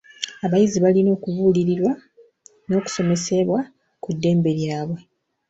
Abayizi balina okubuulirwa n'okusomesebwa ku ddembe lyabwe.